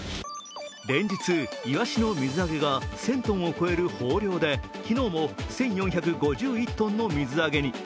連日、イワシの水揚げが１０００ｔを超える豊漁で昨日も１４５１ｔの水揚げに。